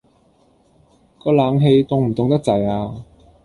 個冷氣凍唔凍得滯呀？